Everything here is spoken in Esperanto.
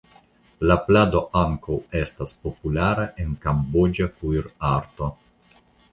La plado ankaŭ estas populara en kamboĝa kuirarto.